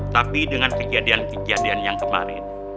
tapi dengan kejadian kejadian yang kemarin